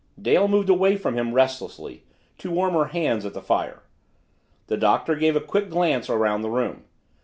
Dale moved away from him restlessly, to warm her hands at the fire. The Doctor gave a quick glance around the room.